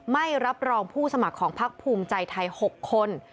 ไม่รับรองผู้สมัครของพักภูมิใจไทย๖คน